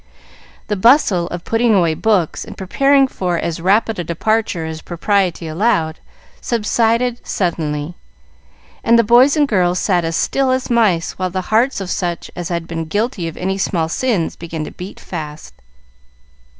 The bustle of putting away books and preparing for as rapid a departure as propriety allowed, subsided suddenly, and the boys and girls sat as still as mice, while the hearts of such as had been guilty of any small sins began to beat fast.